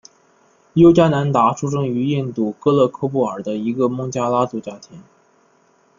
尤迦南达出生于印度戈勒克布尔一个孟加拉族家庭。